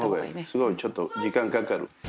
すごいちょっと、時間かかる。